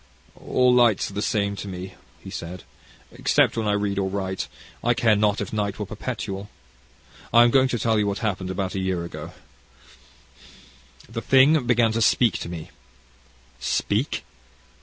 "All lights are the same to me," he said; "except when I read or write, I care not if night were perpetual. I am going to tell you what happened about a year ago. The thing began to speak to me." "Speak!